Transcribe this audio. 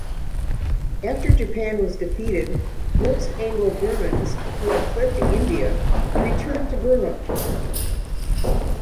After Japan was defeated, most Anglo-Burmans who had fled to India returned to Burma.